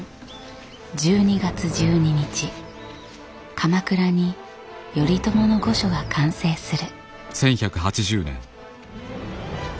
鎌倉に頼朝の御所が完成する。